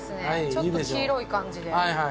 ちょっと黄色い感じで。